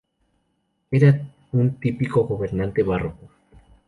Era un típico gobernante barroco.